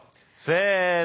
せの。